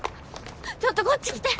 ちょっとこっち来て！